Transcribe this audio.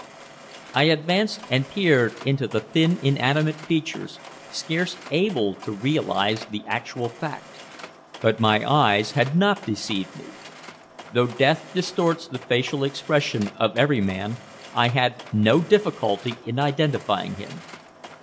I advanced and peered into the thin inanimate features, scarce able to realize the actual fact. But my eyes had not deceived me. Though death distorts the facial expression of every man, I had no difficulty in identifying him.